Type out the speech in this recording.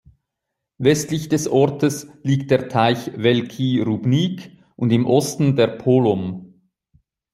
Westlich des Ortes liegt der Teich Velký rybník und im Osten der Polom.